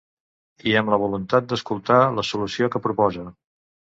I amb la voluntat d’escoltar la solució que proposa.